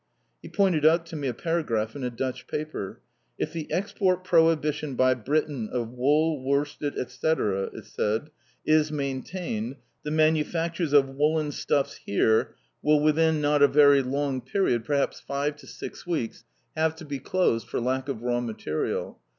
He pointed out to me a paragraph in a Dutch paper. "If the export prohibition by Britain of wool, worsted, etc., is maintained, the manufactures of woollen stuffs here will within not a very long period, perhaps five to six weeks, have to be closed for lack of raw material.